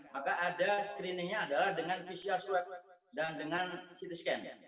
maka ada screeningnya adalah dengan pcr swab dan dengan ct scan